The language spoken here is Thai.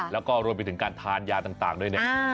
แล้วก็รวมไปถึงการทานยาต่างด้วยเนี่ย